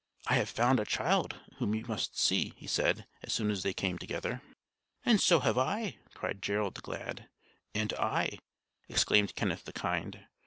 '] "I have found a child whom you must see," he said, as soon as they came together. "And so have I," cried Gerald the Glad. "And I," exclaimed Kenneth the Kind.